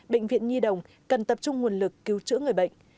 bệnh viện nhi đồng cần tập trung nguồn lực cứu trữ người bệnh